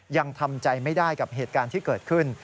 ยังทำใจไม่ได้กับเหตุการณ์ที่เกิดขึ้น